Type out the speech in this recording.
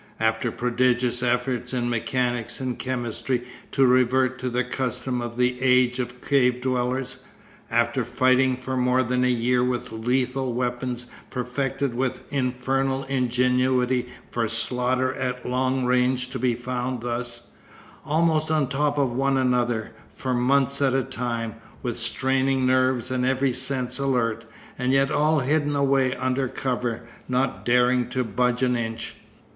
After prodigious efforts in mechanics and chemistry to revert to the custom of the age of cave dwellers; after fighting for more than a year with lethal weapons perfected with infernal ingenuity for slaughter at long range to be found thus, almost on top of one another for months at a time, with straining nerves and every sense alert, and yet all hidden away under cover, not daring to budge an inch!